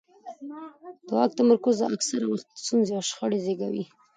د واک تمرکز اکثره وخت ستونزې او شخړې زیږوي